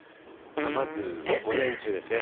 まず午前中ですね。